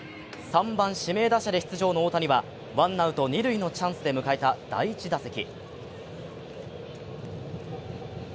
３番・指名打者で出場の大谷はワンアウト二塁のチャンスで迎えた第１打席。